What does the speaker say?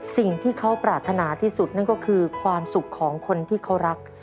สิ่งที่เขาปรารถนาที่สุดนั่นก็คือความสุขของคนที่เขารัก